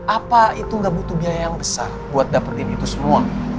apa itu gak butuh biaya yang besar buat dapetin itu semua